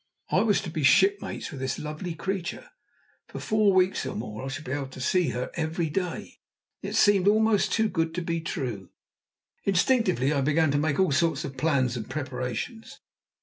I was to be shipmates with this lovely creature! For four weeks or more I should be able to see her every day! It seemed almost too good to be true. Instinctively I began to make all sorts of plans and preparations.